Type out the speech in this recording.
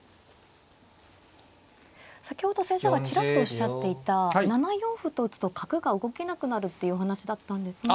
先ほど先生がちらっとおっしゃっていた７四歩と打つと角が動けなくなるっていうお話だったんですが。